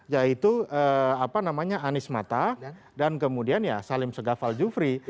yaitu anies mata dan kemudian ya salim segafal jufri